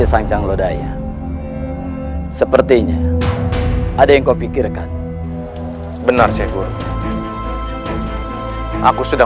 hal yang mengelola